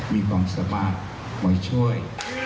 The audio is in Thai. มีความสามารถคอยช่วย